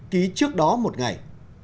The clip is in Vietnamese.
ký trước đó một ngày